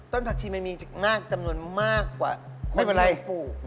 ต้นผักชีมันมีจำนวนมากกว่าคนที่ต้องปลูก